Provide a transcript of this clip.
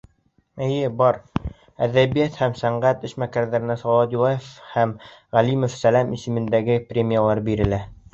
Эйе, бар. Әҙәбиәт һәм сәнғәт эшмәкәрҙәренә Салауат Юлаев һәм Ғәлимов Сәләм исемендәге премиялар бирелә.